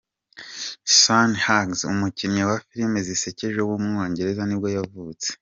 Sean Hughes, umukinnyi wa filime zisekeje w’umwongereza nibwo yavutse.